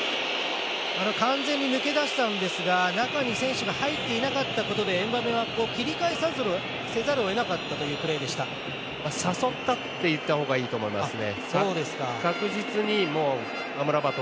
完全に抜け出したんですが中に選手が入っていなかったことでエムバペは、切り替をせざるをえなかったということですね。